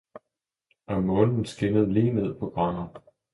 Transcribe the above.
Og månen skinnede lige ned på graven.